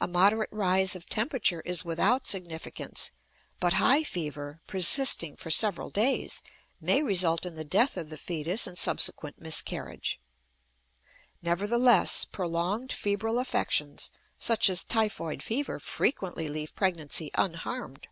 A moderate rise of temperature is without significance; but high fever, persisting for several days, may result in the death of the fetus and subsequent miscarriage. Nevertheless, prolonged febrile affections, such as typhoid fever, frequently leave pregnancy unharmed.